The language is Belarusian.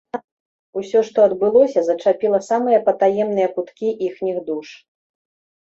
Усё, што адбылося, зачапіла самыя патаемныя куткі іхніх душ.